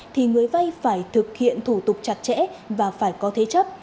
thì người vay phải thực hiện thủ tục chặt chẽ và phải có thế chấp